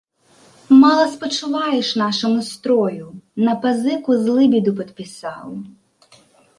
Мала спачуваеш нашаму строю, на пазыку злыбеду падпісаў.